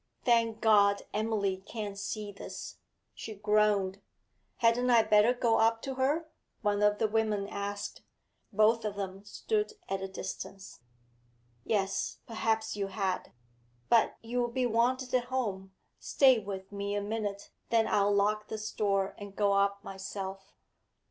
'Thank God, Emily can't see this!' she groaned. 'Hadn't I better go up to her?' one of the women asked. Both of them stood at a distance. 'Yes, perhaps you had. But you'll be wanted at home. Stay with me a minute, then I'll lock this door and go up myself.'